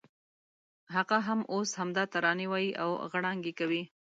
هغه هم اوس همدا ترانې وایي او غړانګې کوي.